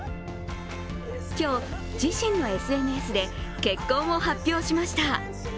今日、自身のＳＮＳで結婚を発表しました。